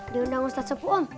dia undang ustaz sepu om